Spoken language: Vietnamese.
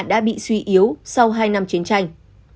đã bị suy yếu sau hai năm chiến tranh